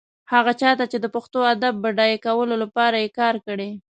هغه چا ته چې د پښتو ادب بډایه کولو لپاره يې کار کړی.